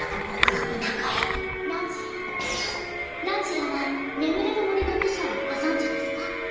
汝らは『眠れる森の美女』をご存じですか？